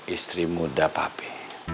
istri muda papi